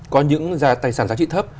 có những tài sản giá trị thấp